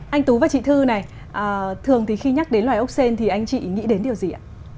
anh tú và chị thư này thường thì khi nhắc đến loài ốc sen thì anh chị nghĩ đến điều gì ạ